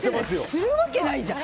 するわけないじゃん！